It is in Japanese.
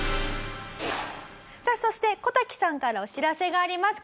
さあそして小瀧さんからお知らせがあります。